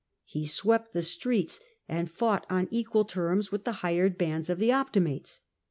He swept the streets, and fought on equal terms with the hired bands of the Opti mates.